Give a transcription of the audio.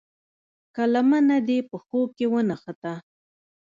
که لمنه دې پښو کې ونښته.